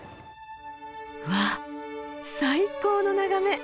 わあ最高の眺め！